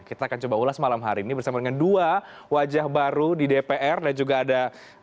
kita akan coba ulas malam hari ini bersama dengan dua wajah baru di dpr dan juga ada